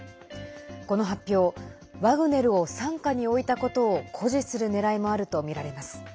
この発表ワグネルを傘下に置いたことを誇示するねらいもあるとみられます。